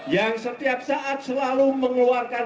yang setiap saat selalu mengeluarkan